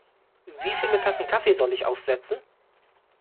Wie viele Tassen Kaffee soll ich aufsetzen?